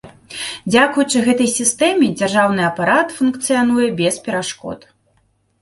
Дзякуючы гэтай сістэме дзяржаўны апарат функцыянуе без перашкод.